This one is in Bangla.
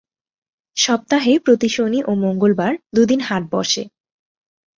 সপ্তাহে প্রতি শনি ও মঙ্গলবার দুদিন হাট বসে।